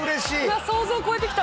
想像を超えてきた。